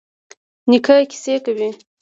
نیکه کیسې کوي.